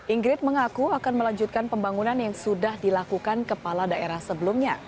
ingrid mengaku akan melanjutkan pembangunan yang sudah dilakukan kepala daerah sebelumnya